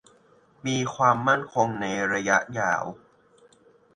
มีความมั่นคงในระยะยาว